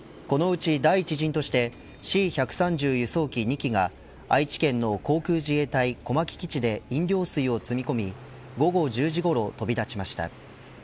このうち第１陣としてＣ−１３０輸送機２機が愛知県の航空自衛隊小牧基地で飲料水を積み込み午後１０時ごろ飛び立ちました。